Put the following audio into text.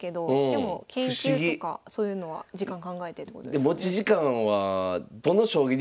でも研究とかそういうのは時間考えてってことですよね。